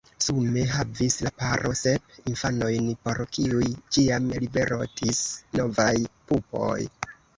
Sume havis la paro sep infanojn por kiuj ĉiam liverotis novaj pupoj.